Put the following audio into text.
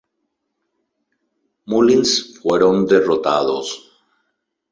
Mullins fueron derrotados.